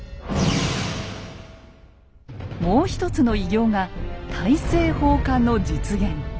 もう一つの偉業が「大政奉還」の実現。